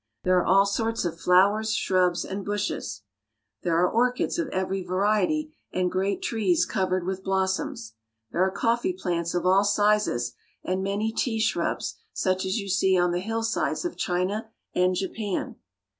There are all sorts of flowers, shrubs, and bushes. There are "We go over ravines." orchids of every variety, and great trees covered with blossoms. There are coffee plants of all sizes, and many tea shrubs, such as you see on the hillsides of China and Japan.